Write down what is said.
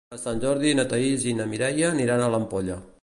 Per Sant Jordi na Thaís i na Mireia aniran a l'Ampolla.